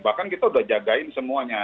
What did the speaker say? bahkan kita udah jagain semuanya